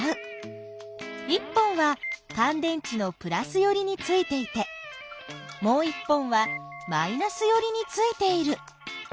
１本はかん電池のプラスよりについていてもう１本はマイナスよりについている。